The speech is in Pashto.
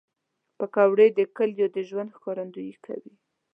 پکورې د کلیو د ژوند ښکارندویي کوي